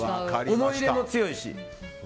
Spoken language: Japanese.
思い入れも強いし。